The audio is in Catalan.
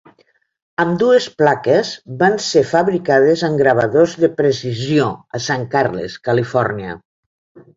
Ambdues plaques van ser fabricades en Gravadors de precisió, a Sant Carles, Califòrnia.